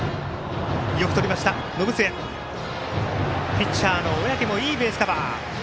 ピッチャーの小宅もいいベースカバー。